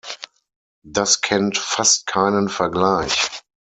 Das kennt fast keinen Vergleich.